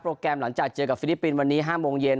แกรมหลังจากเจอกับฟิลิปปินส์วันนี้๕โมงเย็น